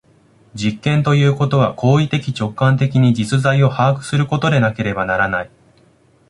実験ということは行為的直観的に実在を把握することでなければならない。